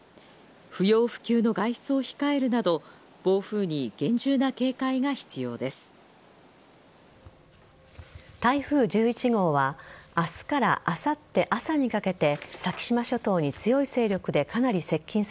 不要不急の外出を控えるなど暴風に厳重な警戒が必要です。